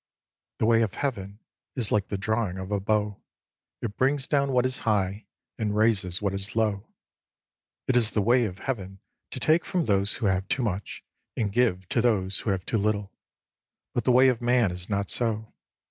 The Way of Heaven is like the drawing of a bow : it brings down what is high and raises what is low. It is the Way of Heaven to take from those who have too much, and give to those who have too little. But the way of man is not so.